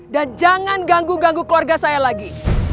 dan jangan ganggu ganggu keluarga saya lagi